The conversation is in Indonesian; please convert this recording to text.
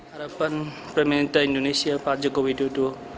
harapan pemerintah indonesia pak joko widodo